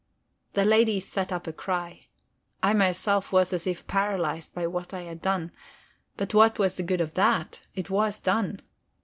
The ladies set up a cry. I myself was as if paralyzed by what I had done, but what was the good of that? It was done.